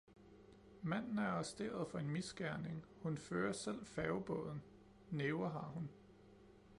Manden er arresteret for en misgerning, hun fører selv færgebåden, næver har hun